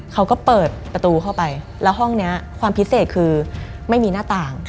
เขาก็เปิดประตูเข้าไปแล้วห้องนี้ความพิเศษคือไม่มีหน้าต่าง